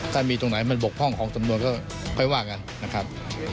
ถ้ามีตรงไหนมันบกพร่องของสำนวนก็ค่อยว่ากันนะครับ